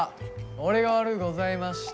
俺が悪うございました。